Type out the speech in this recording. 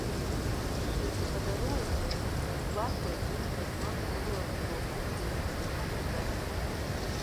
Уажәазы ихадароу иазгәаҭоу аекономикатә планқәа раларҵәароуп, урҭ рҩызцәа аҭагылазаашьақәа ыҟоуп.